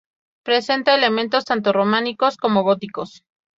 Presenta elementos tanto románicos como góticos.